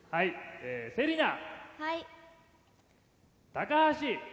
高橋。